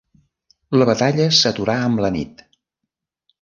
La batalla s'aturà amb la nit.